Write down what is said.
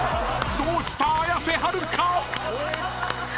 ［どうした⁉綾瀬はるか！］